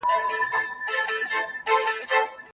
په قلم خط لیکل د فکرونو د ساتلو خوندي لاره ده.